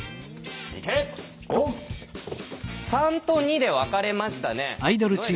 ３と２で分かれましたね。